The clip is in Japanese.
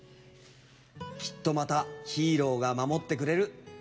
きっとまたヒーローが守ってくれる。